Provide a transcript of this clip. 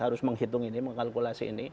harus menghitung ini mengkalkulasi ini